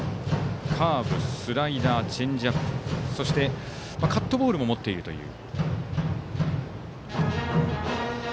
カーブ、スライダーチェンジアップそして、カットボールも持っているという。